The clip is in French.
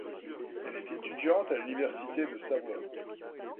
Elle est étudiante à l'université de Savoie.